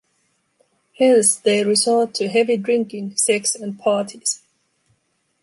Hence, they resort to heavy drinking, sex, and parties.